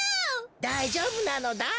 だいじょうぶなのだ！